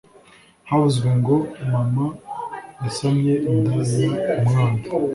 havuzwe ngo mama yasamye inda y umwana